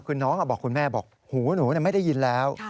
คือน้องบอกคุณแม่บอกหูหนูไม่ได้ยินแล้ว